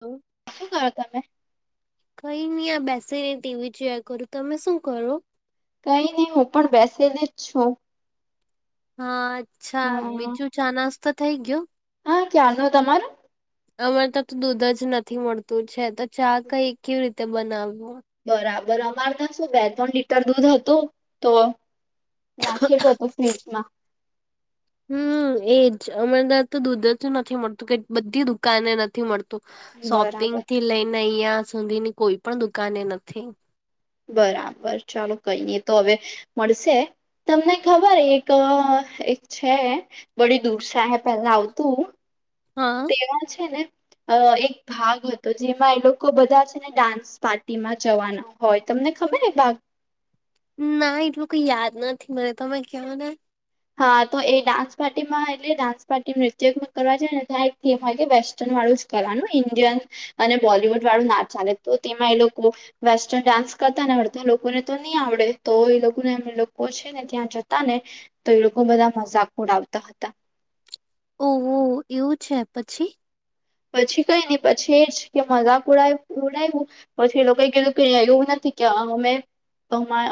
હમ શું કરો તમે કઈ નઈ આ બેસી નને ટીવી જોયા કરું તમે શું કરો કઈ નહી હું પણ બેસેલી જ છું હા અચ્છા હમ બીજું ચા નાસતો થઈ ગયો હા ક્યારનો તમારું અમારે તો તો દૂધ જ નથી મળતું છે તો ચા કઈ કેવી રીતે બનાવવું બરાબર અમાર તો શું બે ત્રણ લીટર દૂધ હતું તો નાખેલો હતો ફ્રીજ માં હમ એજ અમરદા તો દૂધ જ નથી મળતું ક બધી દુકાને નથી મળતું. શોપિંગ બરાબર થી લઈને અહિયાં સુધીની કોઈ પણ દુકાને નથી. બરાબર ચાલો કઈ નઈ તો હવે મળશે. તમને ખબર એક એક છે. બડી દૂરસાએ પેલા આવતું હા તેવા છે ને અ એક ભાગ હતો જેમાં એ લોકો બધા છે ને ડાન્સ પાર્ટીમાં જવાના. હોય તમને ખબર ભાગ ના એટલું કોઈ યાદ નથી મને તમે કવોને હા તો એ ડાન્સ પાર્ટીમાં એટલે ડાન્સ પાર્ટી નૃત્ય કરવા છે ને ત્યાં એક થીમ હોય કે વેસ્ટર્ન વાળું કરવાનું ઇન્ડિયન અને બોલવુડ વાળું ના ચાલે તો તેમાં એ લોકો વેસ્ટર્ન ડાન્સ કરતા ને આવડતા લોકોને તો ની આવડે તો એ લોકોને એમ લોકો જ ને ત્યાં જતા ને તો એ લોકો બધા મજાક ઉડાવતા હતા. ઉ ઉ એવું છે પછી પછી કઈ નને પછી એજ કે મજાક ઉડાયવુ પછી એ લોકોએ કીધું કે એવું નથી કે અમે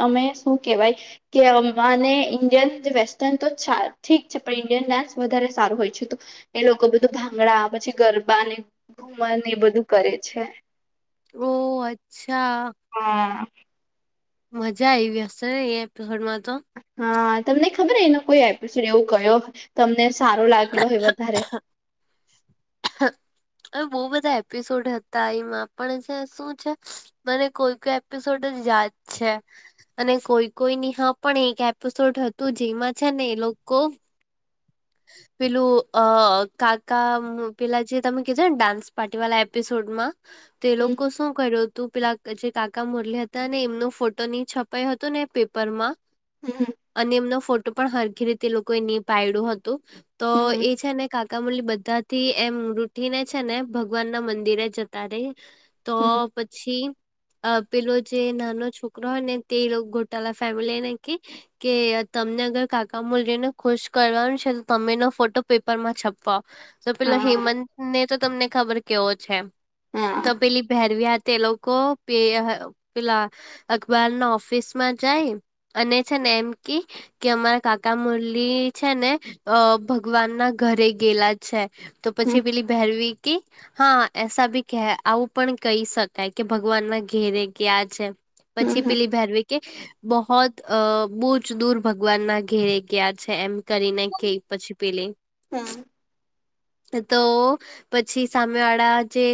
અમે શું કેવાય કે અમાને ઇન્ડિયન વેસ્ટર્ન તો ઠીક છે પણ ઇન્ડિયન ડાન્સ વધારે સારો હોય છે તો એ લોકો બધું ભાંગડા પછી ગરબાને ઘુમન એ બધું કરે છે. ઓહ અચ્છા. હા મજા આયવીશે ને એ એપિસોડમાં તો હા તમને ખબર એનો કોઈ એપિસોડ એવું કયો તમને સારો લાગેલો હોય વધારે હ બો બધા એપિસોડ હતા એમાં પણ છે શું છે. મને કોઈ કોઈ એપિસોડ જ યાદ છે અને કોઈ કોઈ નિ હા પણ એક એપિસોડ હતું, જેમાં છે ને એ લોકો પેલું અ કાકા પેલા જે તમે કીધો ને ડાન્સ પાર્ટી વાળા એપિસોડમાં તે હમ લોકો શું કર્યો તું પેલા જે કાકા મુરલી હતા ને એમનો ફોટો નહી છપાયો હતો ને પેપર માં હમ અને એમનો ફોટો પણ હર ઘી રીતે લોકો એ નહી પાયડ્યું હતું. તો હમ એ છે ને કાકા મુલી બધા થી એમ રૂઠીને છે ને ભગવાન ના મંદિરે જત તારે તો હમ પછી પેલો જે નાનો છોકરો હોય ને તે ગોટાળા ફેમિલીને કે કે તમને અગર કાકા મુલને ખુશ કરવાનું છે. તમે નો ફોટો પેપર માં છપવા તો પેલો હા હેમંત ને તો તમને ખબર કેવો છે એમ તો હા પેલી ભેરવી હાતે લોકો પેહ પેલા અખબાર ના ઓફિસ માં જાય અને છે ને એમ કે કે અમારા કાકા મુરલી છે ને અ ભગવાન ના ઘરે ગેલા છે તો પછી પેલી ભહેરવી કે હા એસા બી કે આવું પણ કહી શકાય કે ભગવાન ના ઘેરે ગ્યા છે. હમ પછી હમ પેલી ભેરવીક કે બહોત અ બહુજ દૂર ભગવાન ના ઘેરે ગ્યા છે એમ કરીને કે પછી પેલે હમ્મ એ તો પછી સામે વાળા જે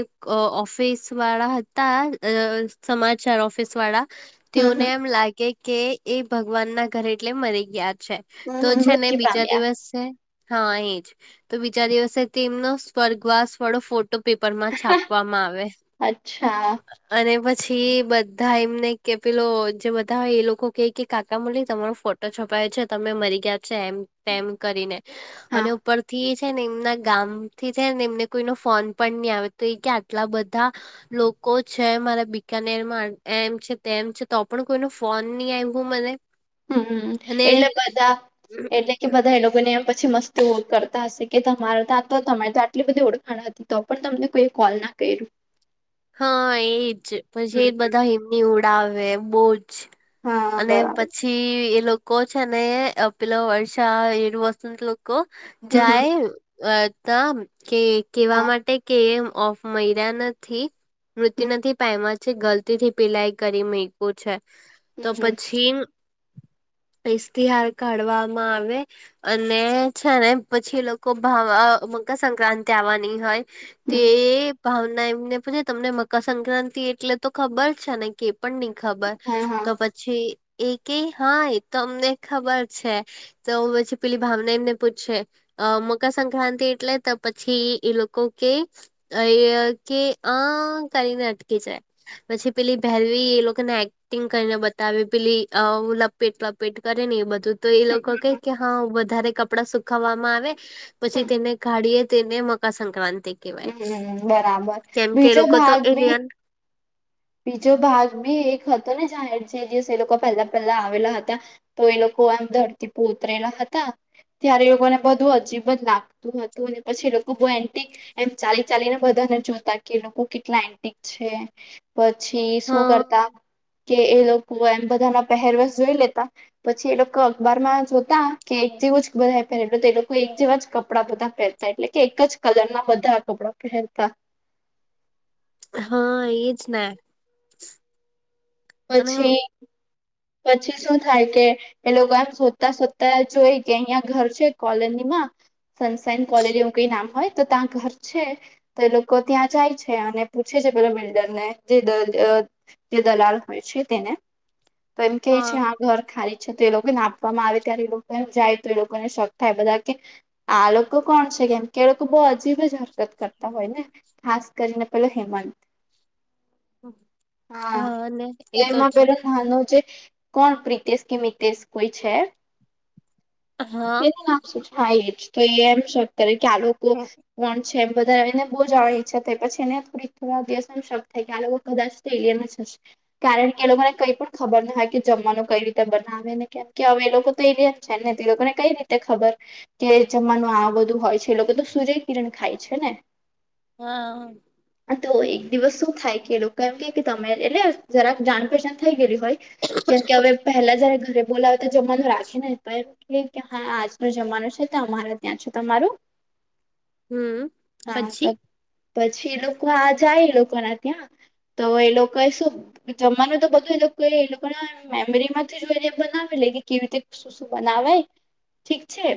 ઓફિસ વાળા હતા અ સમાચાર ઓફિસ વાડા તેઓને હમ એમ લાગે કે એ ભગવાન ના ઘરે એટલે મરી ગ્યા છે. તો હમ છે ને મૃત્યુ બીજા પામ્યા દિવસે હા એજ તો બીજા દિવસે તેમનો સ્વર્ગવાસ વાડો ફોટો પેપર માં છાપવામાં આવે અચ્છા અને પછી બધા એમને કે પેલો જે બધા એ લોકો કે કે કાકા મળે તમન ફો છપાયો છે તમે મરી ગ્યા છે એમ તેમ કરીને હા અને ઉપરથી છે ને એમના ગામ થી છે ને એમને કોઈ નો ફોન પણ નહી આવે તો એ કે આટલા બધા લોકો છે મારા બીકાનેરમાં એમ છે તેમ છે તો પણ કોઈનો ફો ફોન ની આયવો મને. હમ્મ હમ્મ અને એટલે બધા એટલે કે બધા એ લોકોને પછી મસ્ત તું ઓ કરતા હશે કે તમારા તો તો તમારી તો આટલી બધી ઓળખાણ હતી તો પણ તમને કોઈ કોલ ના કર્યું. હા એજ પછી હમ એ હમ બધા એમની ઉડાવે બોહજ હા અને બરાબર પછી એ લોકો છે ને પેલો વર્ષા એર વોશ [unintelligible] કો હમ હમ જાય તા કે કેવા હા માટે કે ઑફ મયરા નથી હમ મૃત્યુ નથી પાયમાં છે ગલતી થી પીલાઈ કરી મે [unintelligible] છે તો હમ હમ પછી ઇશતિહાર કાઢવામાં આવે. અને છે ને પછી એ લોકો ભાવા મકરસક્રાંતિ આવાની હોય તે હમ ભાવના એમને પછી તમને મકરસક્રાંતિ એટલે તો ખબર છે ને કે પણ નહી ખબર હા હા તો પછ છી એ ક હા એતો અમને ખબર છે તો પછી પેલી ભાવના એમને પૂછે અ મકરસક્રાંતિ એટલે તો પછી એ લોકો કે અ કે આ કરીને અટકી જાય. પછી પેલી ભેરવી એ લોકોને એગ ટીન કરીને બતાવે પેલી અ લપેટ લપેટ કરે ને એ બધું તો એ લોકો કે કે હા વધારે કપડાં સુખવામાં આવે હમ પછી તેને કાઢી એ તેને મકરસક્રાંતિ હમ્મ બરાબર બીજો લોકો તો ભાગ ભી એલિયન બીજો ભાગ બી એક હતો ને જાહેર છે જે લોકો પહેલા પહેલા આવેલા હતા. તો એ લોકો આમ ધરતી પોતરેલા હતા ત્યારે એ લોકોને બધું અજીબ જ લાગતું હતું અને પછી એ રોગો બ એન્ટી એમ ચાલી ચાલીને બધાને જોતા કે લોકો કેટલા એન્ટિક છે. પછી શું કરતા હા કે એ લોકો એમ બધા ના પહેરવસ જોઈ લેતા પછી એ લોકો અખબારમાં જોતા કે એક જેવું જ બધા પહેરે એટલે તો એ લોકો એક જેવા જ કપડાં બધા પહેરતા એટલે કે એક જ કલર ના બધા કપડા પહેરતા. હા એજ ને અને પછી પછી શું થાય કે એ લોકો એમ શોધતા શોધતા જોઈ કે અહીંયા ઘર છે કોલોની માં. સનસાાઈન કોલેજ એવું કઈ નામ હોય તો ત્યાં ઘર છે. તો એ લોકો ત્યાં જાય છે અને પૂછે છે પેલા બિલ્ડર ને જે દ જે દલાલ હોય છે તેને તો એમ કે છે હા ઘર ખાલી તે લોકોને આપવામાં આવે ત્યારે એ લોકો જાય તો એ લોકોને શોખ થાય બધા કે આ લોકો કોણ છે કેમ કે લોકો બો અજીબ હરકત કરતા હોય ને ખાસ કરીને પેલો હેમંત હા ને તો એ એમાં છે પેલો ખાનો છે. કોણ પ્રિતેશ કે મિતેશ કોઈ છે. હા હા એ જ તો એ એમ શક કરે કે આ લોકો કોણ છે બધા એને બહુ જવા ઈચ્છા થાય પછી એને થોડીક થોડા દિવસ શબ થાય કે આ લોકો કદાચ સ્ટ્રેલિયામાં જશે. કારણ કે એ લોકોને કઈ પણ ખબર હા કે જમવાનું કઈ રીતે બનાવે ને કેમ કે હવે એ લોકો તો એ રમ છે ને તે લોકોને કઈ રીતે ખબર કે જમવાનું આ બધું હોય છે એ લોકો તો સૂર્ય કિરણ ખાય છે ને. હા આ તો એક દિવસ શું થાય કે લોકો એમ કે કે તમે એટલે જરા જાણ પહેચાન થઈ ગયેલી હોય. કેમ કે હવે પહેલા જ્યારે ઘરે બોલાવતા જમવાનું રાખે ને તો એમ કેય કે હા આજ નું જમવાનું છે તો અમારે ત્યાં છે તમારું [inaudible] હા તો પછી પછી એ લોકો આ જાય એ લોકો ના ત્યાં તો એ લોકો શું જમવાનું તો બધું એ લોકો એ લો પણ મેમરી માંથી જોઈને એમ બનાવી લેય કે કેવી રીતે શું શું બનાવે ઠીક છે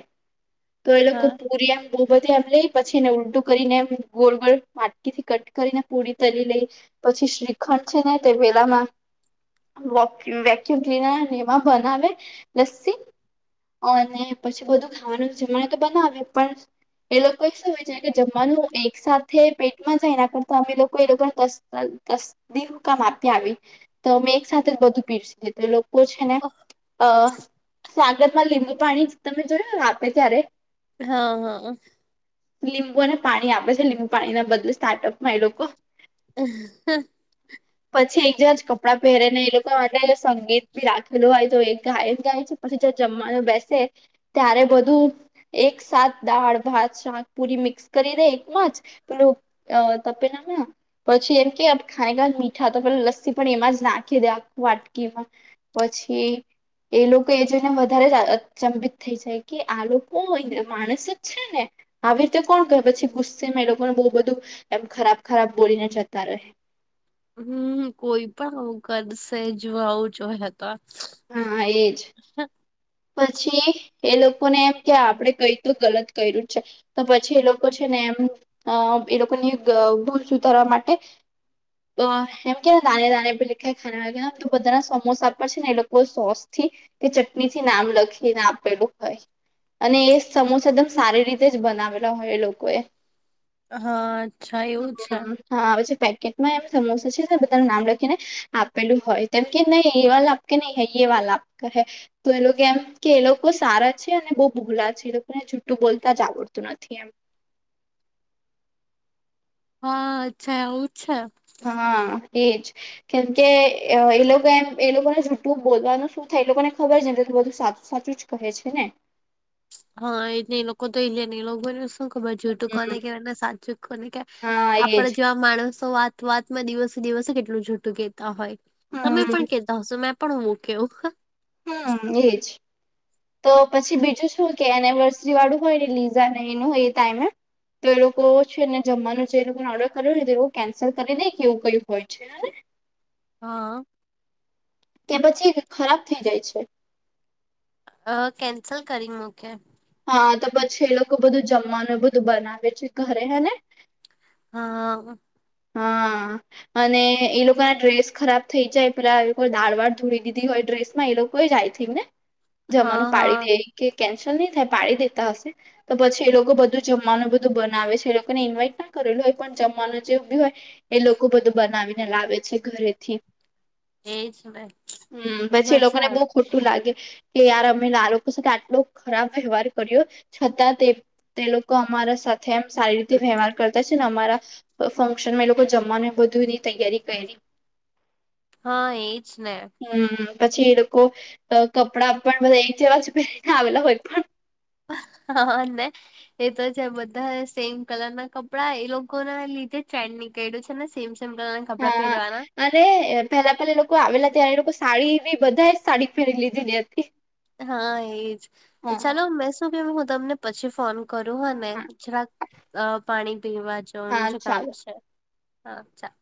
તો એ લોકો હા પુરિ આમ બહુ બધી એમ લઈ પછી એને ઉલટું કરીને એમ ગોળ ગોળ માટકી થી કટ કરીને પૂરી તરી લેઈ પછી શ્રીખંડ છે ને તે વેલામાં વેક્યુમ ક્લીનર આવે એમાં બનાવે લસ્સી અને પછી બધું ખાવાનું જમાડે તો બનાવે પણ એ લોકો એ શું હોય છે કે જમવાનું એક સાથે પેટમાં જાય એના કરતા અમે એ લોકો એ લોકોને કસ [unintelligible] આપી આવી તો મે એક સાથે જ બધું [unintelligible] તો લોકો છે ને અ સ્વાગતમાં લીંબુ પાણી તમે જોયું આપે ત્યારે હા હા લીંબુ અને પાણી આપે છે લીંબુ પાણી ના બદલે સ્ટાર્ટઅપમાં એ લોકો અહ હ પછી એક જેવાજ કપડાં પહેરે ને એ તો જો સંગીત બી રાખેલું હોય તો એ ગાય ને ગાય છે પછી જો જમવાનું બેસે ત્યારે બધું એક સાથ દાળ ભાત શાક પુરી મિક્સ કરી દેય એકમાં જ પેલું તપેલામાં પછી એમ કે ખારામીઠા તો પેલા લસ્સી પણ એમાં જ નાખી દે વાટકીમાં પછી એ લોકો એ જોઈને વધારે જ અચંબિત થઈ જાય કે આ લોકો માણસ જ છે ને આવી રીતે કોણ કે પછી ગુસ્સેમાં એ લોકોને બહુ બધું એમ ખરાબ ખરાબ બોલીને જતા રહે હમ કોઈ પણ આવું કરશે જો આવું જોહે તો હા એજ પછી એ લોકોને એમ કે આપડે કેટલું ગલત કર્યું છે તો પછી એ લોકો છે ને એમ અ એ લોકોની ભૂલ સુધારવા માટે એમ કેને દાને દાને પે લીખા હૈં ખાને વાલે કા નામ તો બધાના સમોસા પર છે ને એ લોકો સોસ થી કે ચટણીથી નામ લખીને આપેલું હોય અને એ સમોસા એકદમ સારી રીતે જ બનાવેલા હોય એ લોકોએ હા અચ્છા હમ, એવું છે હા આવે છે પેકેટમાં એમ સમોસા છે ને બધાનું નામ લખીને આપેલું હોય તેમ કે નહી એવા કે નહી યે વાલા આપકા હૈ તો એ લોકો એમ કે એ લોકો સારા છે અને બહુ ભૂલા છે એ લોકોને જુઠ્ઠું બોલતા જ આવડતું નથી એમ હા અચ્છા એવું છે. હા એજ કેમ કે એ લોકો એમ એ લોકોને જૂઠું બોલવાનું શું થઇલુ એ લોકો ને ખબર છે બધું સાચું સાચું જ કહે છે ને. હા એટલે એ લોકો તો [unintelligible] શું ખબર જૂઠું કોને હમ, કેવાય એને સાચું કોને હા કેવાય એજ આપડે જ્યાં માણસો વાત વાતમાં દિવસે દિવસે કેટલું જૂઠું કેહેતા હોય તમે હમ પણ કે તા હશો મેં પણ હું કેવ હમ્મ એજ તો પછી બીજું શું કે એનિવર્સરી વાળું હોય ને લીઝા ને એનું એ ટાઈમે તો એ લોકો છે ને જમવાનું જે એ લોકોને ઓર્ડર કર્યો હોને તો એ લોકો કેન્સલ કરી દે કે એવું કઈ હોય. છેને હા કે પછી ખરાબ થઈ જાય છે અ કેન્સલ કરી મૂકે હા તો પછી એ લોકો બધું જમવાનું બધું બનાવે છે ઘરે હે ને હા હા અને એ લોકો ને ડ્રેસ ખરાબ થઈ જાય પેલા કોઈ દાળ વાળ ધોરી દીધી હોય ડ્રેસ માં એ લોકો એજ આઈથીગ ને હા જમાનું પાડી હા દે કે કેન્સલ નહી થાય પાડી દેતા હશે તો પછી એ લોકો બધું જમવાનું બધું બનાવે છે એ લોકોને ઇન્વાઈટ ના કરેલું હોય પણ જમવાનું જે બી હોય એ લોકો બધું બનાવીને લાવે છે ઘરેથી એજ ભાઈ હમ પછી એ મજા લોકોને બહુ આવે. ખોટું લાગે કે યાર અમે આ લોકો સાથે આટલો ખરાબ વ્યવહાર કર્યો છતાં તે તે લોકો અમારા સાથે એમ સારી રીતે વ્યવહાર કરતા છે ને અમારા ફંક્શન માં એ લોકો જમવાનું બધુ એની તૈયારી કરી. હા એજ ને હમ્મ પછી એ લોકો કપડા પણ બધા એક જેવા જ પહેરીને આવેલા હોય પણ હા ને એ તો છે બધા સેમ કલર ના કપડા એ લોકોને લીધે ચેડ ની કેેડું છે ને સેમ સેમ [unintelligible] હા પહેરવાના અને પેલા પહેલા લોકો આવેલા ત્યા એ લોકો સાડીની બધા સાડી પહેરી લીધીલી હતી. હા એજ હા ચાલો મેં શું કેવ હું તમને પછી ફોન કરું હ ને હા જરાક પાણી પીવા હા જવાનું છે કામ ચાલ છે અચ્છા